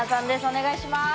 お願いします。